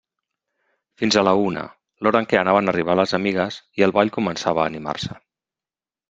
Fins a la una, l'hora en què anaven arribant les amigues i el ball començava a animar-se.